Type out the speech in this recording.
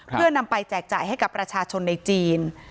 เพื่อนำไปแจกจ่ายให้กับประชาชนในจีน